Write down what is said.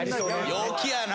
陽気やな。